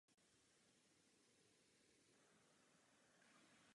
Na území městské části se nacházejí dvě základní školy a i mateřské.